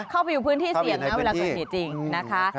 เข้าไปอยู่พื้นที่เสี่ยงนะเวลาเกิดเหตุจริงนะคะ